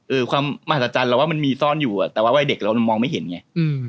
ความมหัศจรรย์เราว่ามันมีซ่อนอยู่อ่ะแต่ว่าวัยเด็กเรามองไม่เห็นไงอืม